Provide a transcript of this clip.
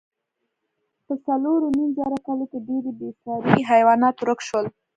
په څلورو نیم زره کلو کې ډېری بېساري حیوانات ورک شول.